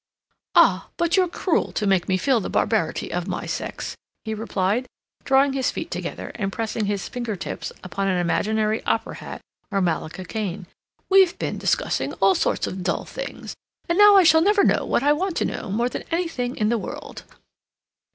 "Ah, but you're cruel to make me feel the barbarity of my sex," he replied, drawing his feet together and pressing his finger tips upon an imaginary opera hat or malacca cane. "We've been discussing all sorts of dull things, and now I shall never know what I want to know more than anything in the world."